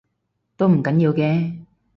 都唔緊要嘅